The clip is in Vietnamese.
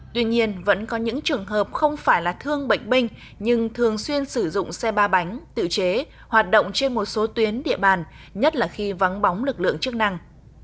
tuy nhiên vẫn có những trường hợp không phải là thương bệnh binh nhưng thường xuyên sử dụng xe ba bánh tự chế hoạt động trên một số tuyến địa bàn nhất là khi vắng bóng lực lượng chức năng